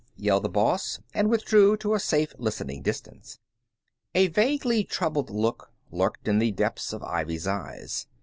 yelled the boss, and withdrew to a safe listening distance. A vaguely troubled look lurked in the depths of Ivy's eyes.